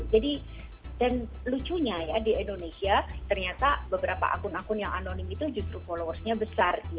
jadi dan lucunya ya di indonesia ternyata beberapa akun akun yang anonim itu justru followersnya besar gitu